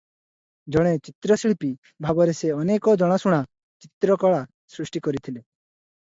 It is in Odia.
ଜଣେ ଚିତ୍ରଶିଳ୍ପୀ ଭାବରେ ସେ ଅନେକ ଜଣାଶୁଣା ଚିତ୍ରକଳା ସୃଷ୍ଟି କରିଥିଲେ ।